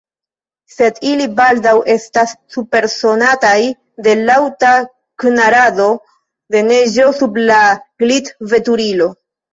Sed ili baldaŭ estas supersonataj de laŭta knarado de neĝo sub la glitveturilo.